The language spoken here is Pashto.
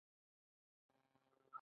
د زابل په شینکۍ کې د کرومایټ نښې شته.